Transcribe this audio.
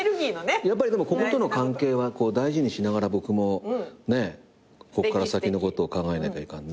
やっぱりでもこことの関係は大事にしながら僕もこっから先のことを考えねばいかんね。